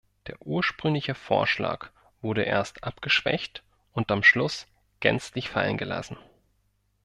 Der ursprüngliche Vorschlag wurde erst abgeschwächt und am Schluss gänzlich fallen gelassen.